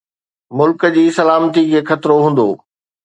ملڪ جي سلامتي کي خطرو هوندو